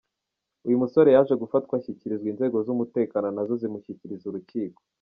Uyu musore yaje gufatwa ashyikirizwa inzego z’umutekano nazo zimushyikiriza urukiko.